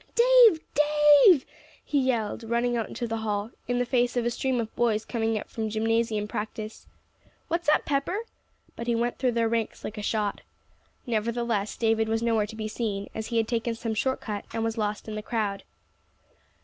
"Dave Dave!" he yelled, running out into the hall, in the face of a stream of boys coming up from gymnasium practice. "What's up, Pepper?" But he went through their ranks like a shot. Nevertheless David was nowhere to be seen, as he had taken some short cut, and was lost in the crowd.